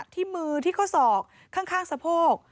ที่มือที่ข้อศอกข้างสะโพก